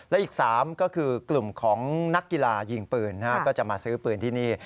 และอีก๓ก็คือกลุ่มของนักกีฬายิงปืนก็จะมาซื้อปืนที่นี่